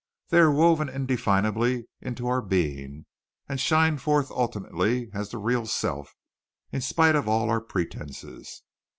They are woven indefinably into our being, and shine forth ultimately as the real self, in spite of all our pretences.